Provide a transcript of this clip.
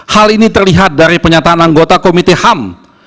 hal ini terlihat dari pernyataan anggota komite ham